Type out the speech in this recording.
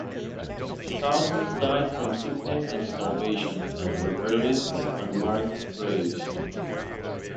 Thousands died from sickness and starvation and were buried in unmarked graves.